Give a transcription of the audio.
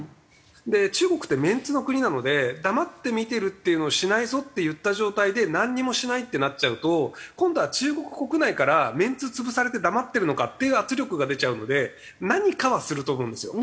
で中国ってメンツの国なので黙って見てるっていうのをしないぞって言った状態でなんにもしないってなっちゃうと今度は中国国内からメンツ潰されて黙ってるのかっていう圧力が出ちゃうので何かはすると思うんですよ。